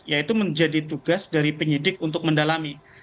yaitu menjadi tugas dari penyidik untuk mendalami